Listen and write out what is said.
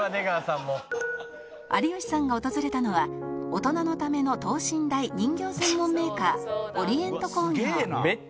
有吉さんが訪れたのは大人のための等身大人形専門メーカーオリエント工業